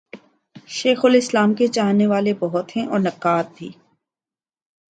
شیخ الاسلام کے چاہنے والے بہت ہیں اور نقاد بھی۔